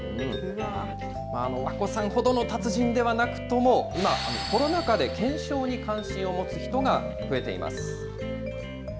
わこさんほどの達人ではなくとも、今、コロナ禍で懸賞に関心を持つ人が増えています。